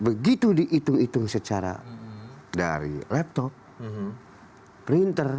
begitu dihitung hitung secara dari laptop printer